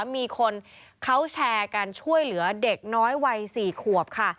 มีคนเขาแชร์กันช่วยเหลือเด็กน้อยวัย๔ขวบค่ะ